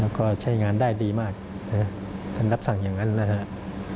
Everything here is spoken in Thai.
แล้วก็ใช้งานได้ดีมากท่านรับสั่งอย่างนั้นนะครับ